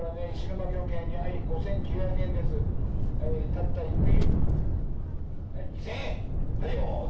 たった一匹。